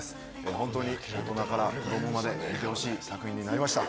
本当に大人から子供まで見てほしい作品になりました。